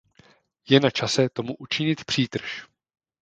Je na čase tomu učinit přítrž.